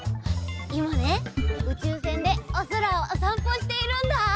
いまねうちゅうせんでおそらをおさんぽしているんだ！